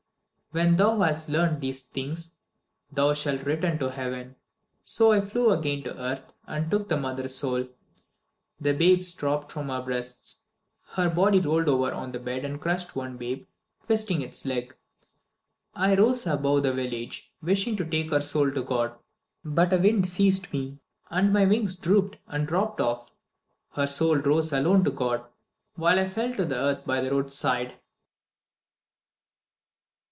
When thou has learnt these things, thou shalt return to heaven.' So I flew again to earth and took the mother's soul. The babes dropped from her breasts. Her body rolled over on the bed and crushed one babe, twisting its leg. I rose above the village, wishing to take her soul to God; but a wind seized me, and my wings drooped and dropped off. Her soul rose alone to God, while I fell to earth by the roadside."